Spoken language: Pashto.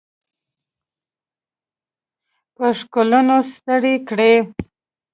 په ښکلونو ستړي کړي